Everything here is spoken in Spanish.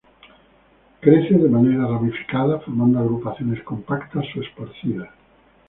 Crece de manera ramificada, formando agrupaciones compactas o esparcidas.